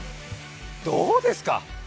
どうですか？